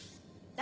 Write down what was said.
何？